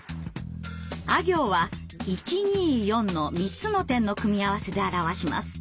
「あ行」は１２４の３つの点の組み合わせで表します。